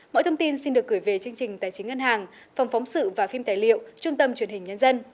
mọi thông tin xin được gửi về chương trình tài chính ngân hàng phòng phóng sự và phim tài liệu trung tâm truyền hình nhân dân